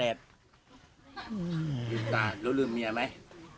ลืมตาแล้วลืมเมียไหม